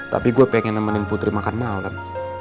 tapi gue pengen nemenin putri makan malam kan